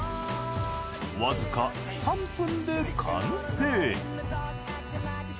わずか３分で完成。